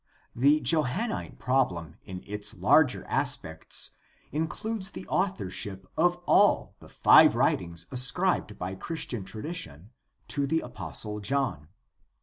— The Johannine problem in its larger aspects includes the authorship of all the five writings ascribed by Christian tradition to the apostle John.